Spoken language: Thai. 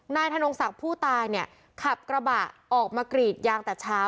นายธนงศักดิ์ผู้ตายเนี่ยขับกระบะออกมากรีดยางแต่เช้า